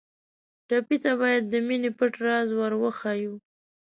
ټپي ته باید د مینې پټ راز ور وښیو.